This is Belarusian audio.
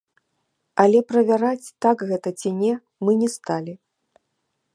Але правяраць, так гэта ці не, мы не сталі.